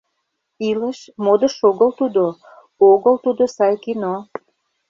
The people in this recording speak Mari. Илыш – модыш огыл тудо, огыл тудо сай кино.